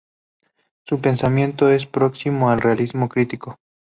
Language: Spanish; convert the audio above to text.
Su pensamiento es próximo al realismo crítico.